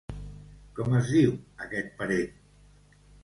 Com es diu aquest parent?